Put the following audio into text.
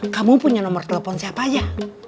kamu punya nomor telepon siapa aja